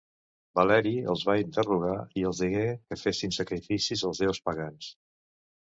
Valeri els va interrogar i els digué que fessin sacrificis als déus pagans.